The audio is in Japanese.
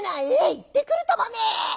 「ええ行ってくるともね！」。